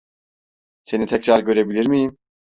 Seni tekrar görebilir miyim?